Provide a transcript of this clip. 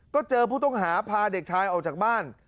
ก็เจอผู้ต้องหาพาเด็กชายออกจากบ้าน